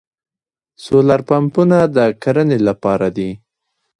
سولر پمپونه د کرنې لپاره دي.